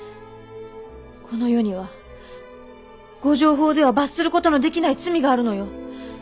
この世には御定法では罰する事のできない罪があるのよ。